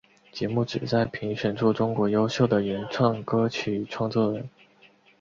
节目旨在评选出中国优秀的原创歌曲与唱作人。